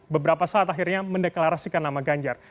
beberapa saat akhirnya mendeklarasikan nama ganjar